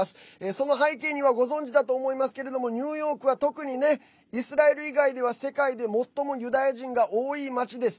その背景にはご存じだと思いますけれどもニューヨークは特にイスラエル以外では世界で最もユダヤ人が多い街です。